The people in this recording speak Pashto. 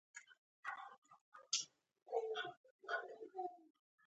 چین د کوچنیو پورونو سیسټم لري.